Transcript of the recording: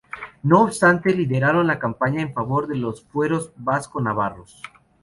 No obstante, lideraron la campaña en favor de los fueros vasco-navarros.